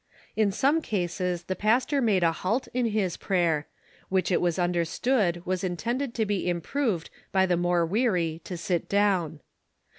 In some cases the pastor made a halt in his prayer, which it was understood was intended to be improved by the more weary to sit down.